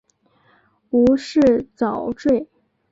无饰蚤缀